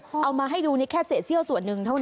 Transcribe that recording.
เอามาให้ดูแค่เสศี่ย่อส่วนหนึ่งเท่านั้น